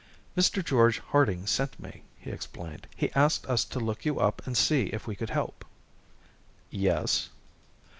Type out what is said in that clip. "Mr. George Harding sent me," he explained. "He asked us to look you up and see if we could help." "Yes?"